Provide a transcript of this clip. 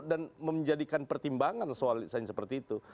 dan menjadikan pertimbangan soal sepert itu